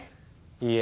いいえ。